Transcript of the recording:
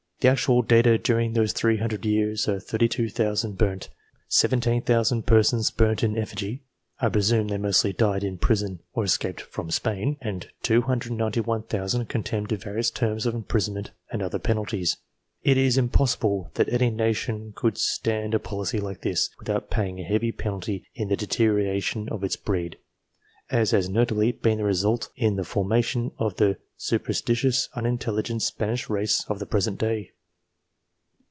The actual data during those three hundred years are 32,000 burnt, 17,000 persons burnt in effigy (I pre sume they mostly died in prison or escaped from Spain), and 291,000 condemned to various terms of imprisonment and other penalties. It is impossible that any nation could stand a policy like this, without paying a heavy penalty in the deterioration of its breed, as has notably been the result in the formation of the superstitious, unin telligent Spanish race of the present day.